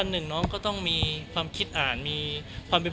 เรียกงานไปเรียบร้อยแล้ว